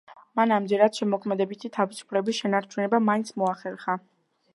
მან ამჯერად შემოქმედებითი თავისუფლების შენარჩუნება მაინც მოახერხა.